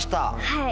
はい。